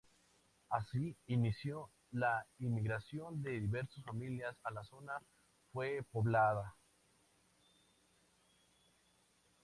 Así inició la inmigración de diversas familias, y la zona fue poblada.